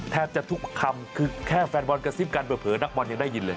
แทบจะทุกคำคือแค่แฟนบอลกระซิบกันเผลอนักบอลยังได้ยินเลย